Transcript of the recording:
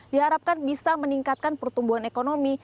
diharapkan bisa meningkatkan pertumbuhan ekonomi